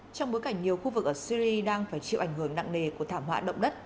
trong bối cảnh nhiều khu vực ở syri đang phải chịu ảnh hưởng nặng nề của thảm họa động đất